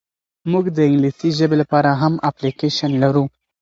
موږ د انګلیسي ژبي لپاره هم اپلیکیشن لرو.